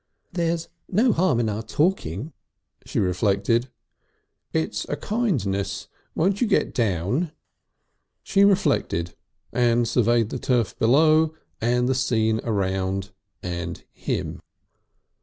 "There's no harm in our talking," she reflected. "It's a kindness. Won't you get down?" She reflected, and surveyed the turf below and the scene around and him.